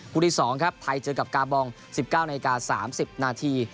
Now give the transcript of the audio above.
คู่ที่๒ครับไทยเจอกับกาบอง๑๙นาที๓๐นาที